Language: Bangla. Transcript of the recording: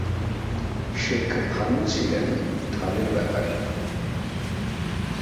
শেখ ভানু ছিলেন ধানের বেপারী।